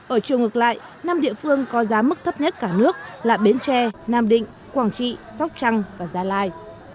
ở chiều ngược lại năm địa phương có giá mức thấp nhất cả nước là bến tre nam định quảng trị sóc trăng và gia lai